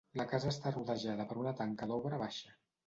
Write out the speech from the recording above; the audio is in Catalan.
La casa està rodejada per una tanca d'obra baixa.